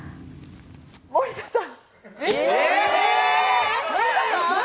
森田さん。